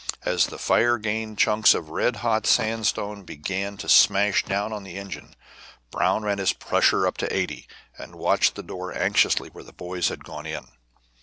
As the fire gained chunks of red hot sandstone began to smash down on the engine. Brown ran his pressure up to 80, and watched the door anxiously where the boys had gone in.